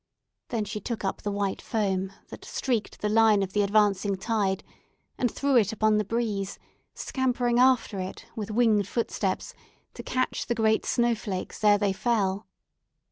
Then she took up the white foam that streaked the line of the advancing tide, and threw it upon the breeze, scampering after it with winged footsteps to catch the great snowflakes ere they fell.